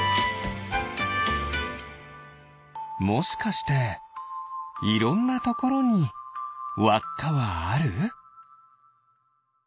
もしかしていろんなところにわっかはある？